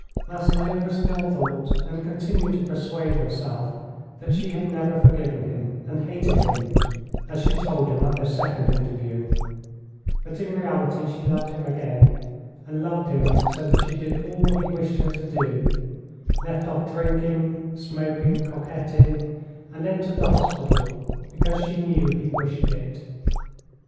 Maslova still thought and continued to persuade herself that she had never forgiven him, and hated him, as she told him at their second interview, but in reality she loved him again, and loved him so that she did all he wished her to do; left off drinking, smoking, coquetting, and entered the hospital because she knew he wished it.